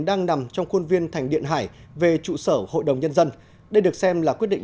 đang nằm trong khuôn viên thành điện hải về trụ sở hội đồng nhân dân đây được xem là quyết định